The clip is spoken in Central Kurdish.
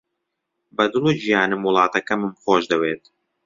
بە دڵ و گیانم وڵاتەکەمم خۆش دەوێت.